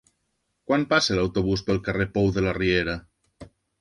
Quan passa l'autobús pel carrer Pou de la Riera?